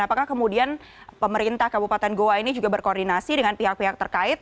apakah kemudian pemerintah kabupaten goa ini juga berkoordinasi dengan pihak pihak terkait